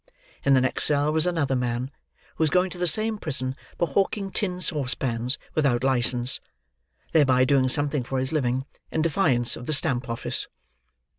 In the next cell was another man, who was going to the same prison for hawking tin saucepans without license; thereby doing something for his living, in defiance of the Stamp office.